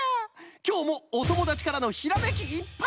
きょうもおともだちからのひらめきいっぱいのこうさく